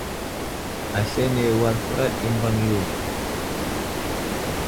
Aslane war huraɗ i mbaŋ yo.